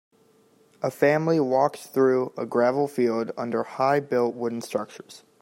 A family walks through a gravel field under high built wooden structures.